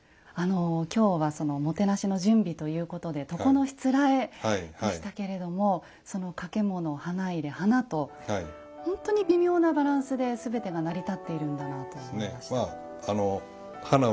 今日はもてなしの準備ということで床のしつらえでしたけれども掛物花入花と本当に微妙なバランスで全てが成り立っているんだなと思いました。